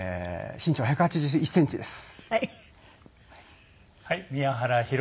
身長は１８３センチです。